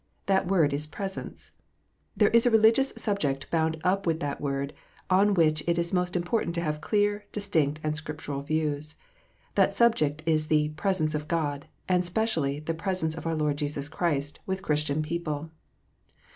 That word is "presence." There is a religious subject bound up with that word, on which it is most important to have clear, distinct, and Scriptural views. That subject is the "presence of God," and specially the " presence of our Lord Jesus Christ " with Christian people.